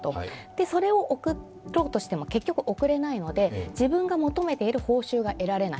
それを送ろうとしても結局遅れないので自分が求めている報酬が得られない。